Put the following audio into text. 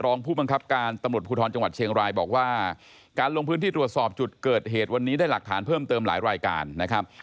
รองผู้บังคับการตำรวจภูทรจังหวัดเชียงรายบอกว่าการลงพื้นที่ตรวจสอบจุดเกิดเหตุวันนี้ได้หลักฐานเพิ่มเติมหลายรายการนะครับ